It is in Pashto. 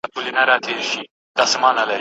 امیر نه سوای اورېدلای تش عرضونه